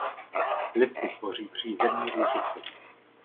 Listy tvoří přízemní růžici.